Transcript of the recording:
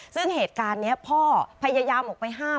ซึ่งเหตุการณ์นี้พ่อพยายามออกไปห้าม